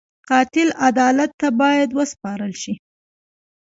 قاتل عدالت ته باید وسپارل شي